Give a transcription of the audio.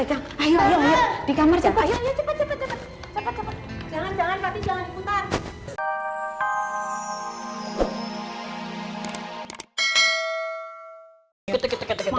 ayo ayo ayo di kamar cepet ayo cepet cepet cepet cepet jangan jangan tapi jangan putar